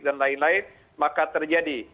lain lain maka terjadi